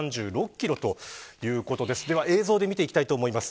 では、映像で見ていきたいと思います。